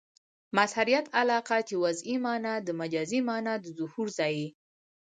مظهریت علاقه؛ چي وضعي مانا د مجازي مانا د ظهور ځای يي.